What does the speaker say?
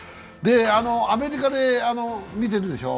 アメリカで見てるんでしょ？